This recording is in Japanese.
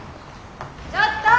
ちょっと！